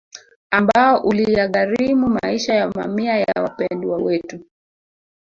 Ambao uliyagharimu maisha ya mamia ya Wapendwa Wetu